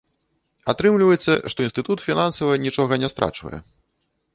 Атрымліваецца, што інстытут фінансава нічога не страчвае.